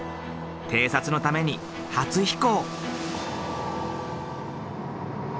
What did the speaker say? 偵察のために初飛行。